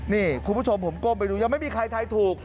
นี่คุณผู้ชมผมก้มไปดูยังไม่มีใครทายถูก